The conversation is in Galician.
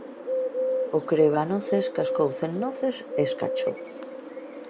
O crebanoces cascou cen noces e escachou.